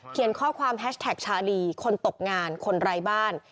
ข้อความแฮชแท็กชาลีคนตกงานคนไร้บ้าน